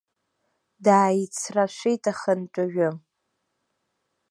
Дааицрашәеит ахантәаҩы.